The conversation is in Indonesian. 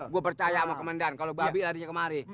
gue percaya sama kemendan kalau babi larinya kemari